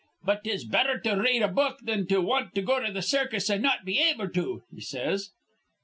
But 'tis betther to r read a book thin to want to go to th' circus an' not be able to,' he says.